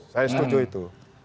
saya setuju itu